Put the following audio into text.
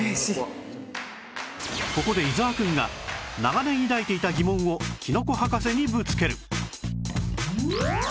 ここで伊沢くんが長年抱いていた疑問をキノコ博士にぶつける